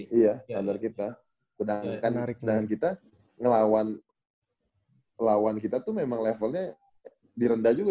iya standar kita sedangkan kita ngelawan lawan kita tuh memang levelnya di rendah juga